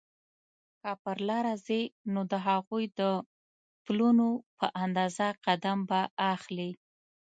که پر لاره ځې نو د هغوی د پلونو په اندازه قدم به اخلې.